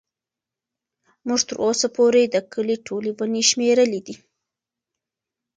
موږ تر اوسه پورې د کلي ټولې ونې شمېرلي دي.